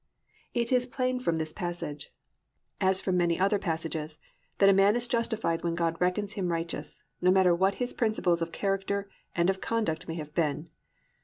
"+ It is plain from this passage, as from many other passages, that a man is justified when God reckons him righteous, no matter what his principles of character and of conduct may have been.